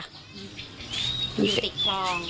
อยู่ติดคลอง